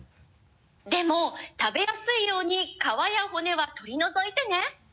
「でも食べやすいように皮や骨は取り除いてね」